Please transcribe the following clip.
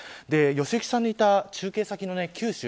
良幸さんのいた中継先の九州